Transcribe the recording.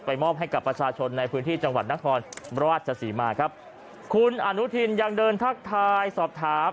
มอบให้กับประชาชนในพื้นที่จังหวัดนครราชศรีมาครับคุณอนุทินยังเดินทักทายสอบถาม